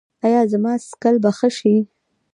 ایا زما څکل به ښه شي؟